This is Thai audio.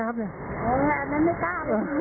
เขาก็ตัวอยู่เข้าเป้าฝ้าค่ะอืม